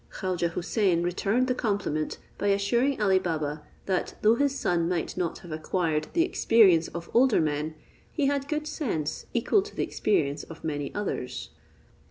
Khaujeh Houssain returned the compliment, by assuring Ali Baba, that though his son might not have acquired the experience of older men, he had good sense equal to the experience of many others.